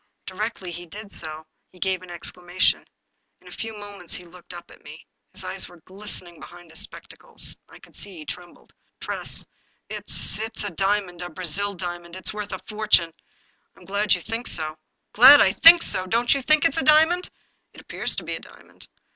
Directly he did so, he gave an exclamation. In a few moments he looked up at me. His eyes were glistening behind his spec tacles. I could see he trembled. "Tress, it's — it's a diamond, a Brazil diamond. It's worth a fortune I "" I'm glad you think so." " Glad I think so ! Don't you think that it's a diamond ?"" It appears to be a diamond.